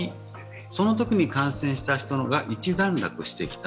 そのときに感染した人が一段落してきた。